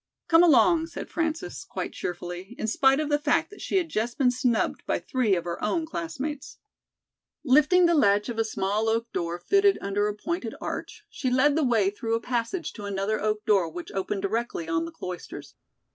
"Come along," said Frances, quite cheerfully, in spite of the fact that she had just been snubbed by three of her own classmates. Lifting the latch of a small oak door fitted under a pointed arch, she led the way through a passage to another oak door which opened directly on the Cloisters.